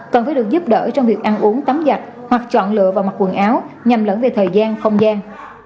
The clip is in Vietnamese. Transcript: cần phải được giúp đỡ trong việc ăn uống tắm giặt hoặc chọn lựa và mặc quần áo nhằm lẫn về thời gian không gian